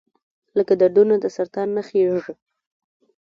لکه دردونه د سرطان نڅیږي